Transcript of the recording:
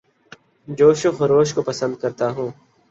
جوش و خروش کو پسند کرتا ہوں